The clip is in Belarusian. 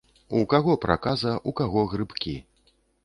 У каго праказа, у каго грыбкі.